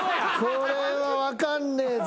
これは分かんねえぞ。